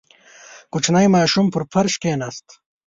• کوچنی ماشوم پر فرش کښېناست.